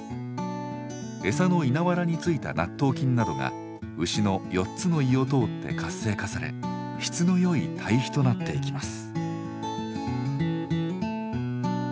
餌の稲わらについた納豆菌などが牛の４つの胃を通って活性化され質の良い堆肥となっていきます。